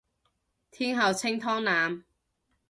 天后清湯腩